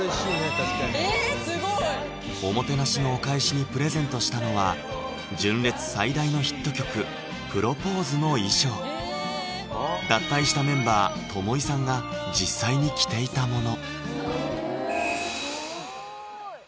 確かにおもてなしのお返しにプレゼントしたのは「純烈」最大のヒット曲「プロポーズ」の衣装脱退したメンバー・友井さんが実際に着ていたもの